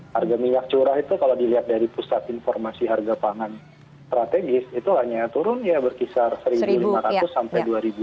harga minyak curah itu kalau dilihat dari pusat informasi harga pangan strategis itu hanya turun ya berkisar rp satu lima ratus sampai rp dua